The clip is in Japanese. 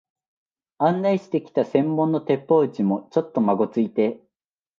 案内してきた専門の鉄砲打ちも、ちょっとまごついて、